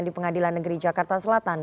di pengadilan negeri jakarta selatan